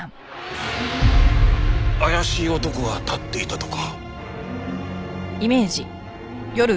怪しい男が立っていたとか。